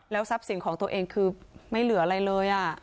ทรัพย์สินของตัวเองคือไม่เหลืออะไรเลย